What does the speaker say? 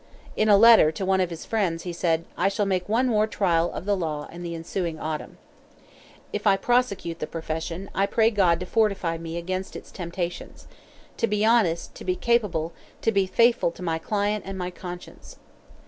In a letter to one of his friends he said: "I shall make one more trial of the law in the ensuing autumn. "If I prosecute the profession, I pray God to fortify me against its temptations. To be honest, to be capable, to be faithful to my client and my conscience."